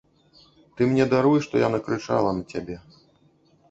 Ты мне даруй, што я накрычала на цябе.